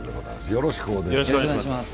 よろしくお願いします。